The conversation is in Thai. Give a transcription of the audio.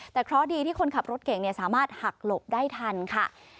แต่เคราะห์ดีที่คนขับรถเก่งสามารถหักหลบได้ทันค่ะ